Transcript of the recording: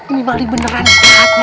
ini maling beneran ustaz